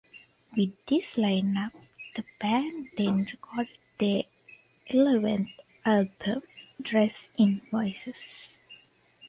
With this line-up the band then recorded their eleventh album, "Dressed in Voices".